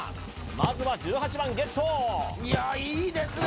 まずは１８番ゲットいやいいですね